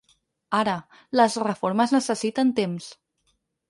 Ara, les reformes necessiten temps.